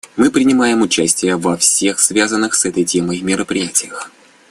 Мы принимаем участие во всех связанных с этой темой мероприятиях.